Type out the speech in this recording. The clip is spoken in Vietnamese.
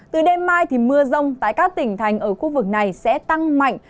từ đêm mai mưa rông tại các tỉnh thành ở khu vực này sẽ tăng mạnh